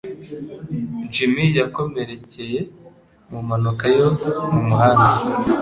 Jimmy yakomerekeye mu mpanuka yo mu muhanda.